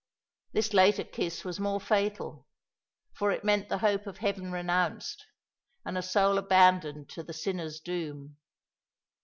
This later kiss was more fatal; for it meant the hope of heaven renounced, and a soul abandoned to the sinner's doom.